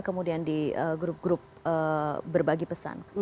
kemudian di grup grup berbagi pesan